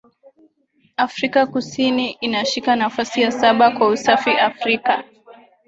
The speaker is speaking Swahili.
Afrika Kusini inashika nafasi ya saba kwa usafi Afrika